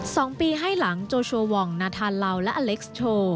สองปีให้หลังโจโชวองนาธานลาวและอเล็กซ์โชว์